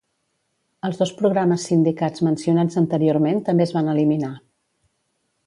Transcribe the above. Els dos programes sindicats mencionats anteriorment també es van eliminar.